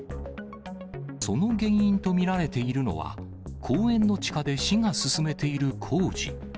その原因と見られているのは、公園の地下で市が進めている工事。